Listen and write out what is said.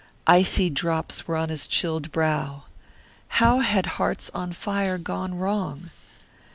Icy drops were on his chilled brow. How had Hearts on Fire gone wrong?